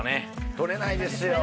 取れないですよね。